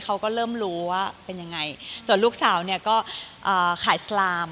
เขาก็เริ่มรู้ว่าเป็นยังไงส่วนลูกสาวเนี่ยก็ขายสลาม